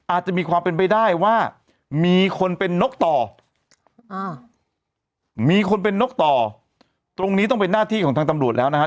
อาจจะมีความเป็นไปได้ว่ามีคนเป็นนกต่ออ่ามีคนเป็นนกต่อตรงนี้ต้องเป็นหน้าที่ของทางตำรวจแล้วนะฮะ